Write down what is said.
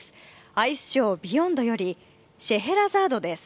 アイスショー、ＢＥＹＯＮＤ「シェヘラザード」です。